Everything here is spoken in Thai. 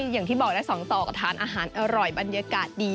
อย่างที่บอกแล้ว๒ต่อก็ทานอาหารอร่อยบรรยากาศดี